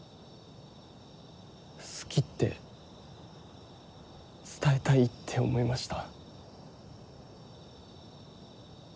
好きって伝えたいって思いました。